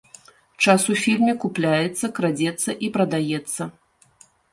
Час у фільме купляецца, крадзецца і прадаецца.